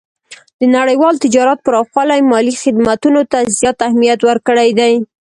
د نړیوال تجارت پراخوالی مالي خدمتونو ته زیات اهمیت ورکړی دی.